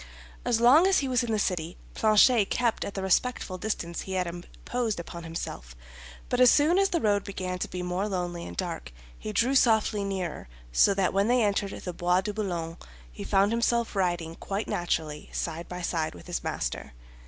As long as he was in the city, Planchet kept at the respectful distance he had imposed upon himself; but as soon as the road began to be more lonely and dark, he drew softly nearer, so that when they entered the Bois de Boulogne he found himself riding quite naturally side by side with his master.